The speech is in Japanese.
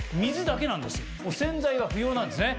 洗剤は不要なんですね。